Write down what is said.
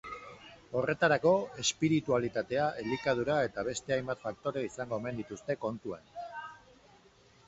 Horretarako, espiritualitatea, elikadura eta beste hainbat faktore izango omen dituzte kontuan.